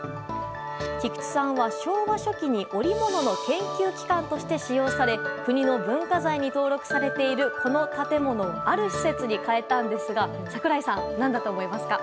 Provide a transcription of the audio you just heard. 菊池さんは、昭和初期に織物の研究機関として使用され国の文化財に登録されているこの建物をある施設に変えたんですが櫻井さん、何だと思いますか？